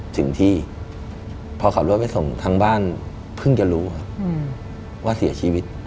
ถึงที่พอขับรถไปส่งทางบ้านเพิ่งจะรู้ว่าเสียชีวิต